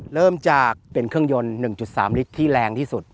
เริ่มจากเป็นเครื่องยนต์๑๓ลิตรที่แรงที่สุด